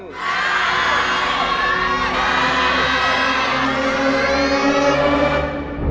คุณอีทร้องผิดครับ